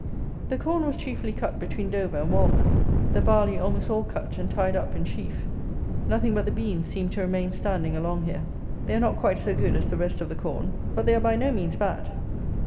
The corn was chiefly cut between Dover and Walmer. The barley almost all cut and tied up in sheaf. Nothing but the beans seemed to remain standing along here. They are not quite so good as the rest of the corn; but they are by no means bad.